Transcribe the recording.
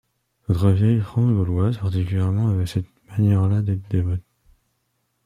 Notre vieille France gauloise particulièrement avait cette manière-là d’être dévote.